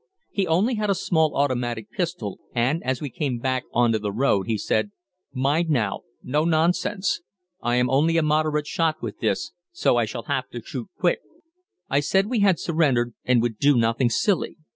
He only had a small automatic pistol, and, as we came back on to the road, he said, "Mind now, no nonsense! I am only a moderate shot with this, so I shall have to shoot quick." I said we had surrendered and would do nothing silly.